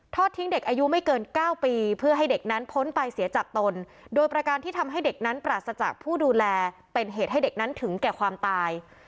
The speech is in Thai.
ทิ้งเด็กอายุไม่เกินเก้าปีเพื่อให้เด็กนั้นพ้นไปเสียจากตนโดยประการที่ทำให้เด็กนั้นปราศจากผู้ดูแลเป็นเหตุให้เด็กนั้นถึงแก่ความตาย